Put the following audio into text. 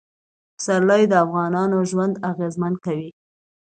پسرلی د افغانانو ژوند اغېزمن کوي.